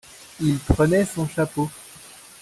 Il prenait son chapeau.